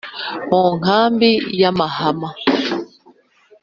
Mu nkambi ya Mahama